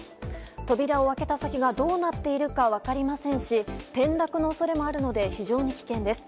扉を開けた先がどうなっているか分かりませんし転落の恐れもあるので非常に危険です。